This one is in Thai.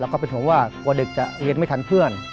ก็เป็นห่วงว่ากลัวเด็กจะเรียนไม่ทันเพื่อน